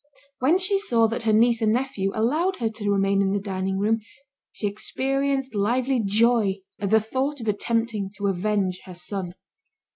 When she saw that her niece and nephew allowed her to remain in the dining room, she experienced lively joy at the thought of attempting to avenge her son.